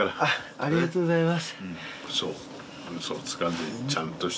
ありがとうございます。